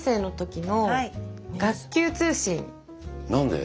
何で？